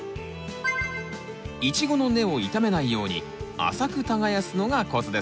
イチゴの根を傷めないように浅く耕すのがコツですよ。